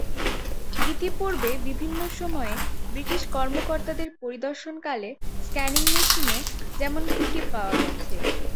ইতিপূর্বে বিভিন্ন সময়ে ব্রিটিশ কর্মকর্তাদের পরিদর্শনকালে স্ক্যানিং মেশিনে যেমন ত্রুটি পাওয়া গেছে।